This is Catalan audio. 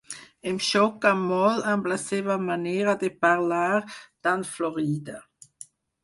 Em xoca molt amb la seva manera de parlar tan florida.